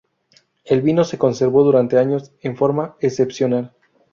El vino se conservó, durante años, en forma excepcional.